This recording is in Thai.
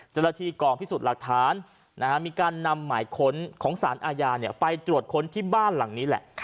เจ้าหน้าที่กองพิสูจน์หลักฐานมีการนำหมายค้นของสารอาญาไปตรวจค้นที่บ้านหลังนี้แหละ